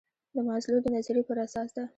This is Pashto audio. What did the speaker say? د مازلو د نظریې پر اساس ده.